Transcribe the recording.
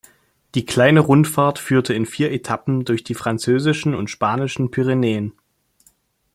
Die kleine Rundfahrt führte in vier Etappen durch die französischen und spanischen Pyrenäen.